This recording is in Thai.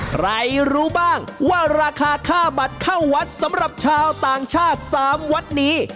ใครรู้บ้างว่าราคาค่าบัตรเข้าวัดสำหรับชาวต่างชาติ๓วัดนี้